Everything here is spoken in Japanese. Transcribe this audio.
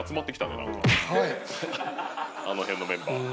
あの辺のメンバー。